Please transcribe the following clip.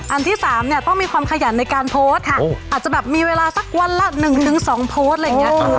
อันที่๓เนี่ยต้องมีความขยันในการโพสต์ค่ะอาจจะแบบมีเวลาสักวันละ๑๒โพสต์อะไรอย่างนี้